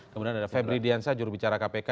kemudian ada febri diansyah jurubicara kpk dan